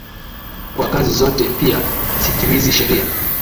Kwa kazi zote pia, sitimizi sheria